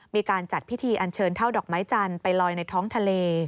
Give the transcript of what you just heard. มีการจัดพิธีอันเชิญเท่าดอกไม้จันทร์ไปลอยในท้องทะเล